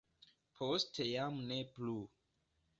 Poste jam ne plu.